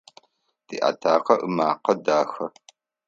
Тиатакъэ ымакъэ дахэ.